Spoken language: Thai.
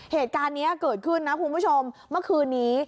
เหตุการณ์นี้เกิดขึ้นนะคุณผู้ชมเมื่อคืนนี้